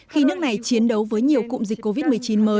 khi nước này chiến đấu với nhiều cụm dịch covid một mươi chín mới